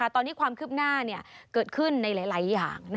ตอนนี้ความคืบหน้าเกิดขึ้นในหลายอย่าง